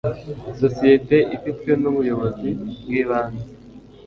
isosiyete ifitwe nubuyobozi bwibanze